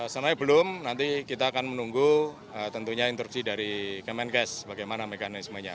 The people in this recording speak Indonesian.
sebenarnya belum nanti kita akan menunggu tentunya instruksi dari kemenkes bagaimana mekanismenya